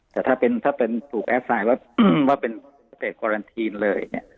แต่ถ้าเป็นถ้าเป็นถูกแอบไซน์ว่าว่าเป็นประเทศกวารันทีนเลยเนี้ย